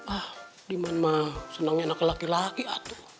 ah di mana mah senangnya anak laki laki atuh